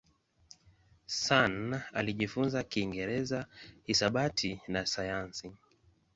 Sun alijifunza Kiingereza, hisabati na sayansi.